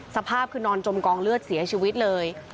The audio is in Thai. สภาพคือนอนจมกองเลือดเสียชีวิตเลย